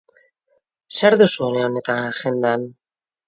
Zer duzu une honetan agendan?